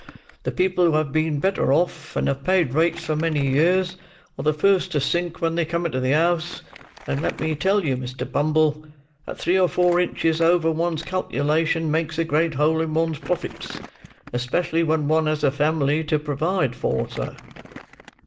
The people who have been better off, and have paid rates for many years, are the first to sink when they come into the house; and let me tell you, Mr. Bumble, that three or four inches over one's calculation makes a great hole in one's profits: especially when one has a family to provide for, sir."